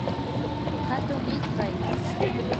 hatun ispay